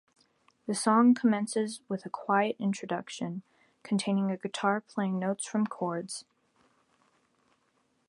The song commences with a quiet introduction, containing a guitar playing notes from chords.